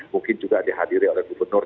mungkin juga dihadiri oleh gubernur